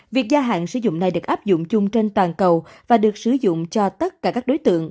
việc gia hạn sử dụng này được áp dụng chung trên toàn cầu và được sử dụng cho tất cả các đối tượng